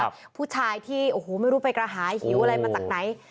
ผู้ชายที่โอ้โหไม่รู้ไปกระหายหิวอะไรมาจากไหน